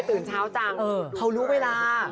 ตื่นเช้าจังเขารู้เวลา